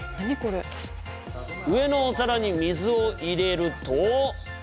上のお皿に水を入れると。